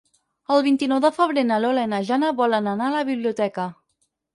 El vint-i-nou de febrer na Lola i na Jana volen anar a la biblioteca.